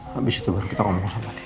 habis itu baru kita ngomong sama dia